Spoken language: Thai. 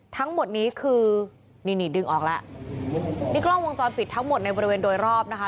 ทั้งหมดนี้คือนี่นี่ดึงออกแล้วนี่กล้องวงจรปิดทั้งหมดในบริเวณโดยรอบนะคะ